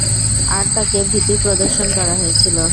আর তাকে ভীতি প্রদর্শন করা হয়েছিল।